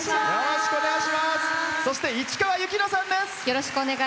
そして、市川由紀乃さんです。